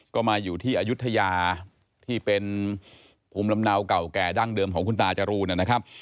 ก็มาอยู่ที่อายุทยาที่เป็นภูมิลำเนาเก่าแก่ดั้งเดิมของคุณตาจรูนนะครับ